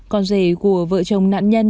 con rể của vợ chồng nạn nhân